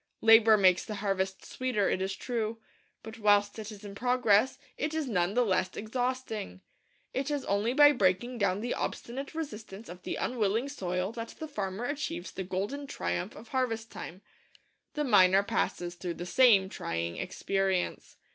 Labour makes the harvest sweeter, it is true; but whilst it is in progress it is none the less exhausting. It is only by breaking down the obstinate resistance of the unwilling soil that the farmer achieves the golden triumph of harvest time. The miner passes through the same trying experience.